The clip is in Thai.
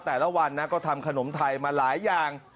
แต่ละวันนะก็ทำขนมไทยมาหลายอย่าง